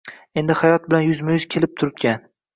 Endi hayot bilan yuzma-yuz kelib turgan.